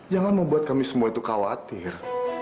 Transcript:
jangan membuat kami semua itu khawatir